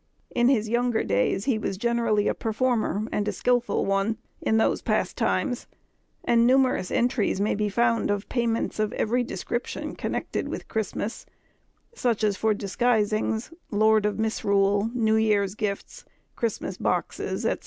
In his younger days he was generally a performer, and a skilful one, in those pastimes; and numerous entries may be found of payments of every description connected with Christmas—such as for disguisings, lord of Misrule, New Year's gifts, Christmas boxes, &c.